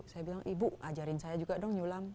saya bilang ibu ajarin saya juga dong nyulam